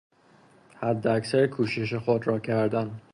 حداکثر کوشش خود را کردن